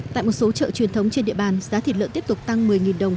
tại một số chợ truyền thống trên địa bàn giá thịt lợn tiếp tục tăng một mươi đồng